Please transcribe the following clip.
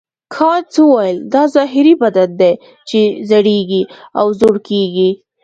کانت وویل دا ظاهري بدن دی چې زړیږي او زوړ کیږي.